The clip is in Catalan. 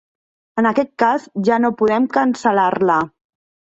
En aquest cas, ja no podem cancel·lar-la.